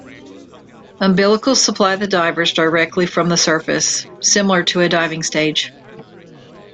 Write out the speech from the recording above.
Umbilicals supply the divers directly from the surface, similar to a diving stage.